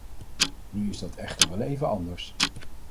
Nu is dat echter wel even anders.